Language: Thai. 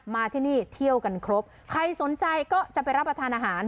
มาที่นี่เที่ยวกันครบใครสนใจก็จะไปรับประทานอาหาร